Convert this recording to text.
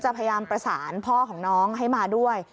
พยายามประสานพ่อของน้องให้มาด้วย